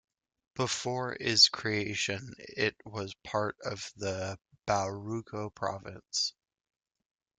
Before is creation it was part of the Baoruco Province.